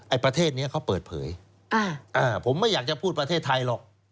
ประเทศนี้เขาเปิดเผยผมไม่อยากจะพูดประเทศไทยหรอก